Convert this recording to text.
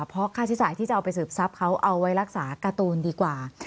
เพราะค่าใช้จ่ายที่จะเอาไปสืบทรัพย์เขาเอาไว้รักษาการ์ตูนดีกว่า